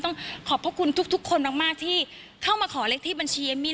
ขอบพระคุณทุกคนมากที่เข้ามาขอเลขที่บัญชีเอมมี่